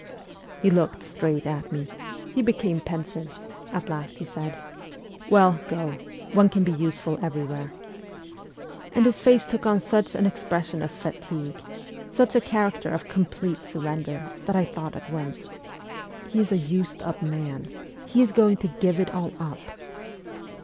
He looked straight at me ; he became o 2 196 MEMOIRS OF A REVOLUTIONIST pensive ; at last he said, ' Well, go ; one can be useful everywhere ;' and his face took on such an expression of fatigue, such a character of complete surrender, that I thought at once, ' He is a used up man ; he is going to give it all up.'